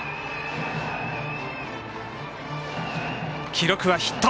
記録はヒット。